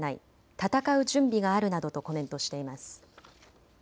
たたかう準備があるなどとコメントしています。